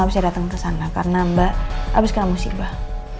abisnya dateng kesana karena mba abis kena musibah